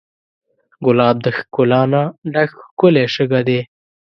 ګلاب د ښکلا نه ډک ښکلی شګه دی.